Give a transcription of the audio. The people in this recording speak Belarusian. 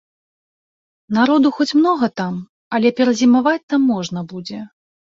Народу хоць многа там, але перазімаваць там можна будзе.